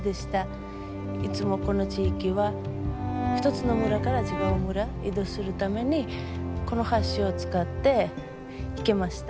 いつもこの地域は一つの村から違う村移動するためにこの橋を使って行きました。